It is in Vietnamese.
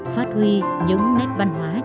phát huy những nét văn hóa truyền thống việt